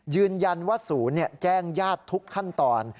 ยืนยันว่าศูนย์แจ้งญาติทุกขั้นตอน